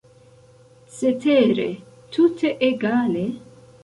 Cetere, tute egale?